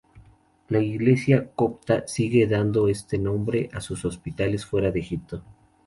La Iglesia copta sigue dando este nombre a sus hospitales fuera de Egipto.